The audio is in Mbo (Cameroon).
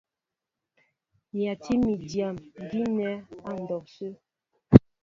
Nyatí mi dyǎ gínɛ́ á ndɔw sə.